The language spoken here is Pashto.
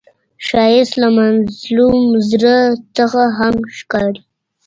ښایست له مظلوم زړه نه هم ښکاري